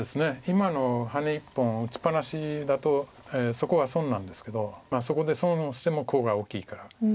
今のハネ１本打ちっぱなしだとそこは損なんですけどそこで損をしてもコウが大きいから。